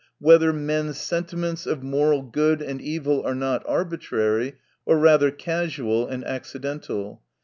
Whether men's sentiments of moral good and evil are not arbi trary, or rather casual and accidental